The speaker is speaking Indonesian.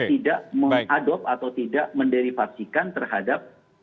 tidak mengadopt atau tidak menderivasikan terhadap